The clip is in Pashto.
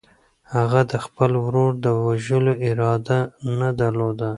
هغه د خپل ورور د وژلو اراده نه درلوده.